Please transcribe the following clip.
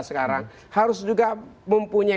sekarang harus juga mempunyai